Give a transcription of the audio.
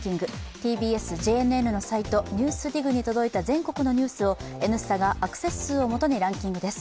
ＴＢＳ・ＪＮＮのサイト、ＮＥＷＳＤＩＧに届いた全国のニュースを「Ｎスタ」がアクセス数を基にランキングです。